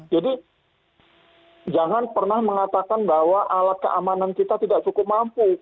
jangan pernah mengatakan bahwa alat keamanan kita tidak cukup mampu